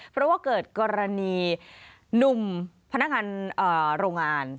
เพราะว่าเกิดกรณีหนุ่มพนักงานโรงงาน